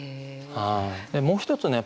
もう一つね